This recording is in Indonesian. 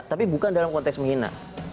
tapi bukan dalam konteks menghina